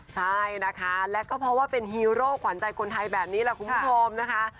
ใช่นะคะและก็เพราะว่าเป็นฮีโร่ขวัญใจคนไทยแบบนี้แหละคุณผู้ชมนะคะ